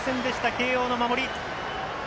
慶応の守り。